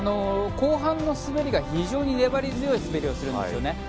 後半の滑りが非常に粘り強い滑りをするんですよね。